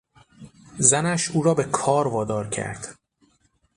زنش او را به آن کار وادار کرد!